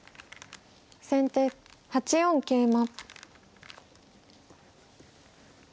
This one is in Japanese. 先手８四桂馬。